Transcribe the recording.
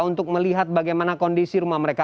untuk melihat bagaimana kondisi rumah mereka